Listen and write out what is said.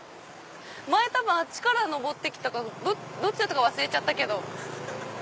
前多分あっちから上ってきたかどっちだったか忘れちゃったけど。